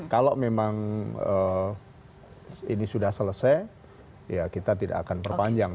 kalau memang ini sudah selesai ya kita tidak akan perpanjang